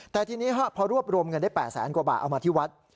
แต่ทีนี้พอรวบรวมเงินได้๘แสนกว่าบาทเอามาที่วัด